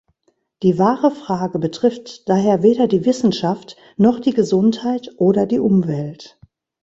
Die wahre Frage betrifft daher weder die Wissenschaft noch die Gesundheit oder die Umwelt.